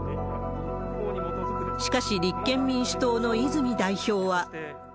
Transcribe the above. しかし、立憲民主党の泉代表は。